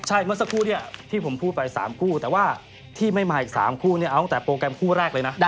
ใช่เมื่อสักครู่เนี่ยที่ผมพูดไป๓คู่แต่ว่าที่ไม่มาอีก๓คู่เนี่ยเอาตั้งแต่โปรแกรมคู่แรกเลยนะ